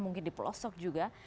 mungkin di pelosok juga